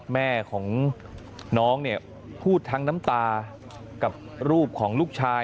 แม่ของน้องเนี่ยพูดทั้งน้ำตากับรูปของลูกชาย